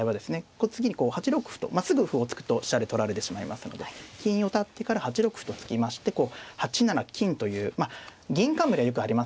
次にこう８六歩とすぐ歩を突くと飛車で取られてしまいますので金を立ってから８六歩と突きましてこう８七金というまあ銀冠はよくありますけどね